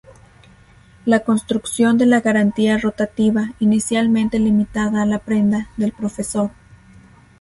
La construcción de la garantía rotativa, inicialmente limitada a la prenda, del prof.